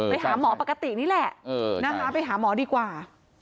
ไปหาหมอปกตินี่แหละนะคะไปหาหมอดีกว่า